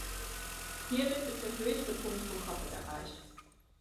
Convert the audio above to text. Hier wird mit der höchste Punkt von Coppet erreicht.